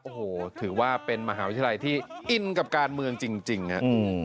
โอ้โหถือว่าเป็นมหาวิทยาลัยที่อินกับการเมืองจริงครับ